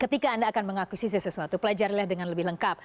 ketika anda akan mengakuisisi sesuatu pelajarilah dengan lebih lengkap